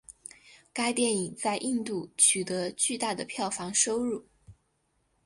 该电影在印度取得巨大的票房收入。